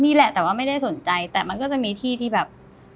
นี่แหละแต่ว่าไม่ได้สนใจแต่มันก็จะมีที่ที่แบบ